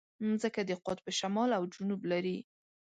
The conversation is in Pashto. مځکه د قطب شمال او جنوب لري.